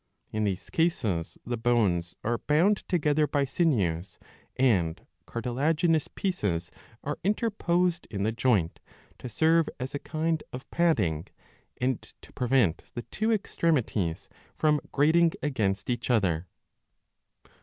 In these cases the bones are bound together by sinews, and cartilaginous pieces are interposed in the joint, to serve as a kind of padding, and to prevent the two extremities from grating against each other.